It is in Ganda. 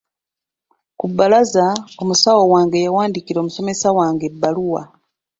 Ku bbalaza omusawo wange yawandiikira omusomesa wange ebbaluwa.